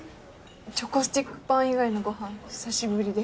チョコスティックパン以外のごはん久しぶりで。